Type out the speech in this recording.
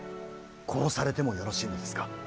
殺されてもよろしいのですか。